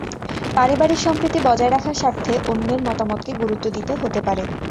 পারিবারিক সম্প্রীতি বজায় রাখার স্বার্থে অন্যের মতামতকে গুরুত্ব দিতে হতে পারে।